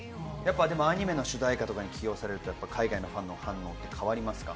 アニメの主題歌とかに起用されると、海外のファンの方も変わりますか？